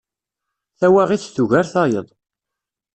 Tawaɣit tugar tayeḍ.